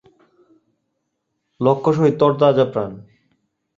লক্ষ শহীদ তরতাজা প্রান